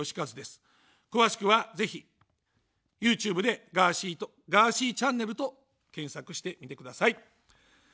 詳しくは、ぜひＹｏｕＴｕｂｅでガーシーと、ガーシーｃｈと検索してみてください。